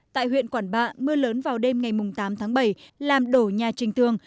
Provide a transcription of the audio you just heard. tại huyện quản bạ mưa lớn vào đêm ngày tám tháng bảy làm đổ nhà trình tường